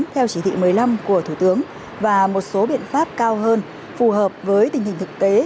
theo chỉ thị một mươi năm của thủ tướng và một số biện pháp cao hơn phù hợp với tình hình thực tế